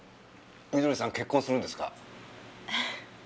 みどりさん結婚するんですか？